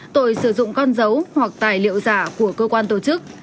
tội sử dụng con dấu hoặc tài liệu giả của cơ quan tổ chức